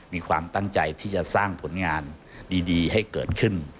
มีความตั้งใจที่จะสร้างผลงานดีให้เกิดขึ้น